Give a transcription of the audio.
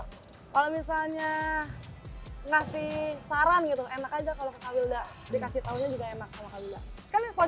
karena kalau misalnya ngasih saran gitu enak aja kalau kakak wilda dikasih taunya juga enak sama kak wilda